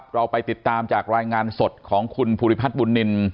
เราไปติดตามจากรายงานสดของคุณภูริพัฒน์บุญนิน